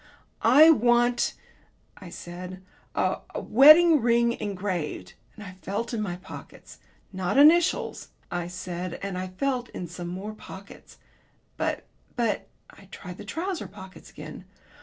"I want," I said, "a wedding ring engraved," and I felt in my pockets. "Not initials," I said, and I felt in some more pockets, "but but " I tried the trousers pockets again.